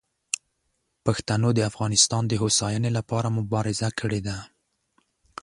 پښتنو د افغانستان د هوساینې لپاره مبارزه کړې ده.